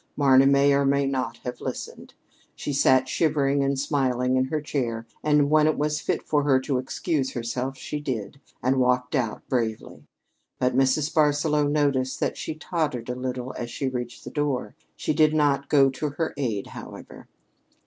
Marna may or may not have listened. She sat shivering and smiling in her chair, and when it was fit for her to excuse herself, she did, and walked out bravely; but Mrs. Barsaloux noticed that she tottered a little as she reached the door. She did not go to her aid, however.